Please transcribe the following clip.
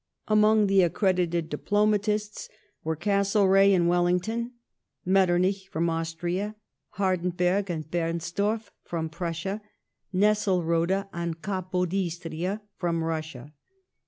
Among the accredited diplomatists were Castlereagh and Welling ton, Metternich from Austria, Hardenberg and BemstorfF from Prussia, Nesselrode and Capo D'Istria from Russia.